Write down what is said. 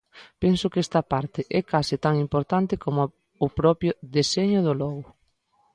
Penso que esta parte é case tan importante coma o propio deseño do logo.